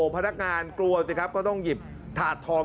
พนักงานกลัวสิครับก็ต้องหยิบถาดทอง